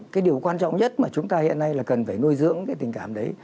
cái điều quan trọng nhất mà chúng ta hiện nay là cần phải nuôi dưỡng cái tình cảm đấy